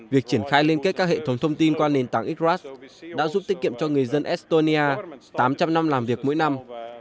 việc triển khai liên kết các hệ thống thông tin qua nền tảng iraq đã giúp tiết kiệm cho người dân estonia tám trăm linh năm làm việc mỗi năm